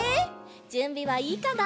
じゅんびはいいかな？